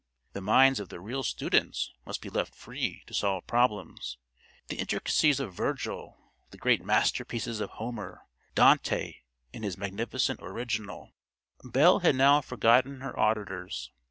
The minds of the real students must be left free to solve problems—the intricacies of Virgil, the great masterpieces of Homer, Dante in his magnificent original——" Belle had now forgotten her auditors.